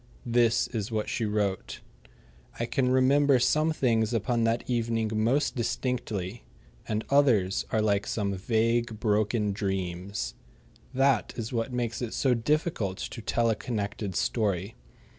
This is what she wrote: I can remember some things upon that evening most distinctly, and others are like some vague, broken dreams. That is what makes it so difficult to tell a connected story.